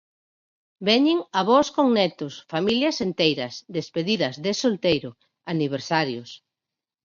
Veñen avós con netos, familias enteiras, despedidas de solteiro, aniversarios...